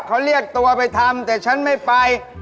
เขาเรียกตัวไปทำแต่ฉันไม่ไป